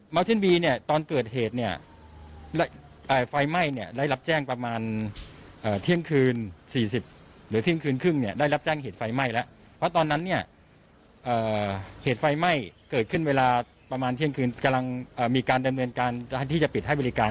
ไม่เกิดขึ้นเวลาประมาณเที่ยงคืนกำลังมีการดำเนินการที่จะปิดให้บริการ